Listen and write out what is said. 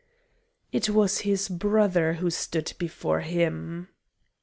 It was his brother who stood before him.